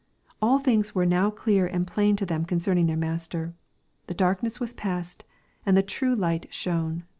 All things were now clear and plain to them con cerning their Master. The darkness was past, and the true light shone.